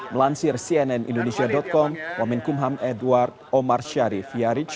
melansir cnn indonesia com wamen kumham edward omar sharif hiarij